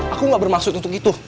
aku gak bermaksud untuk itu